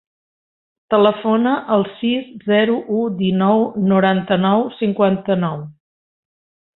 Telefona al sis, zero, u, dinou, noranta-nou, cinquanta-nou.